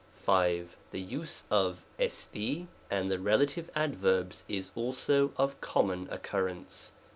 5. This use of iovl and the relative adverbs is also of common occurrence.